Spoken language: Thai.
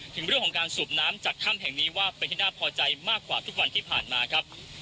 ถึงเรื่องของการสูบน้ำจากถ้ำแห่งนี้ว่าเป็นที่น่าพอใจมากกว่าทุกวันที่ผ่านมาครับ